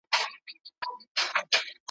ښيي`